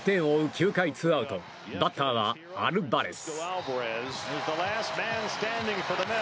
９回ツーアウトバッターはアルバレス。